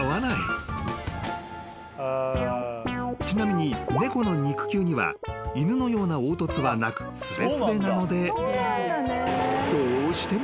［ちなみに猫の肉球には犬のような凹凸はなくすべすべなので］